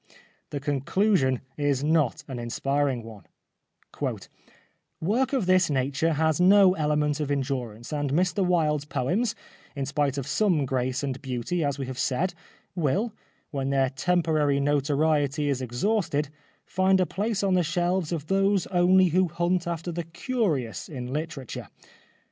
The conclusion is not an inspiring one :" Work of this nature has no element of en durance, and Mr Wilde's poems, in spite of some grace and beauty as we have said, will, when their temporary notoriety is exhausted, find a place on the shelves of those only who hunt after the curious in literature.